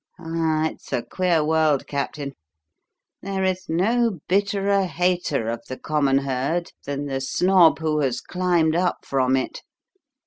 Ah, it's a queer world, Captain. There is no bitterer hater of the 'common herd' than the snob who has climbed up from it!